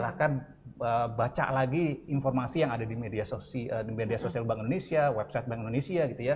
silahkan buka buku silahkan baca lagi informasi yang ada di media sosial bank indonesia website bank indonesia